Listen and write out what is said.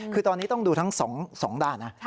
คือตอนนี้ต้องดูทั้ง๒ด้านนะ